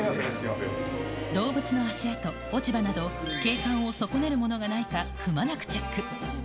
動物の足跡、落ち葉など、景観を損ねるものがないかくまなくチェック。